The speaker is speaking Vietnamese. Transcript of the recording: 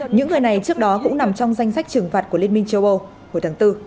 những người này trước đó cũng nằm trong danh sách trừng phạt của liên minh châu âu hồi tháng bốn